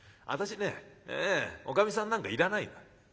私ねおかみさんなんかいらないの」。